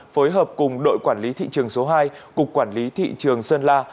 phối hợp cùng đội quản lý thị trường số hai cục quản lý thị trường sơn la